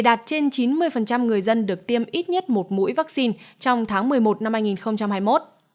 đạt trên chín mươi người dân được tiêm ít nhất một mũi vaccine trong tháng một mươi một năm hai nghìn hai mươi một